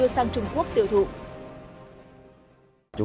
sang trung quốc tiêu thụ